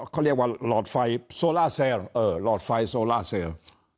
เขาเรียกว่าหลอดไฟโซล่าเซลหลอดไฟโซล่าเซล